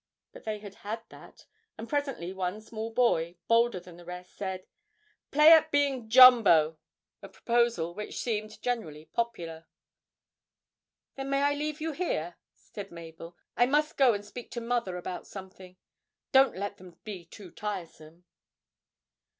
But they had had that, and presently one small boy, bolder than the rest, said, 'Play at being Jumbo' a proposal which seemed generally popular. 'Then may I leave you here?' said Mabel. 'I must go and speak to mother about something. Don't let them be too tiresome.'